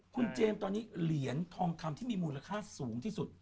คุณเจมส์ตอนนี้เหรียญทองคำที่มีมูลค่าสูงที่สุด